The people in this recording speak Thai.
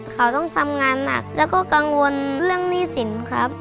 เขาต้องทำงานหนักแล้วก็กังวลเรื่องหนี้สินครับ